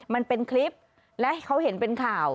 มันเป็นคลิปและให้เขาเห็นเป็นข่าว